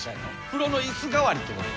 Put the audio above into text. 風呂の椅子代わりってこと？